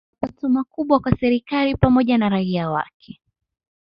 Mapato makubwa kwa serikali pamoja na raia wake